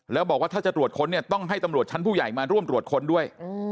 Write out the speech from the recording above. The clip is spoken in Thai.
แล้วบอกว่าถ้าจะตรวจค้นเนี่ยต้องให้ตำรวจชั้นผู้ใหญ่มาร่วมตรวจค้นด้วย